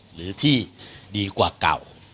หรือที่ดีกว่าเก่า